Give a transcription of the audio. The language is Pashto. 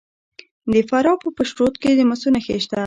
د فراه په پشت رود کې د مسو نښې شته.